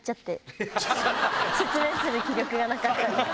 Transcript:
説明する気力がなかった。